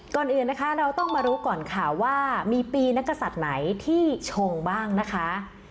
ก่อนอื่นนะคะเราต้องมารู้ก่อนค่ะว่ามีปีนักศัตริย์ไหนที่ชงบ้างนะคะ